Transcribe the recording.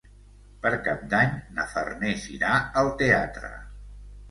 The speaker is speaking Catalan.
Per Cap d'Any na Farners irà al teatre.